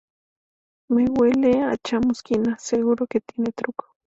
Me huele a chamusquina. Seguro que tiene truco